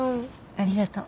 ありがとう。